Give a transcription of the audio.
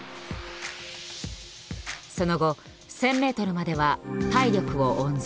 その後１，０００ｍまでは体力を温存。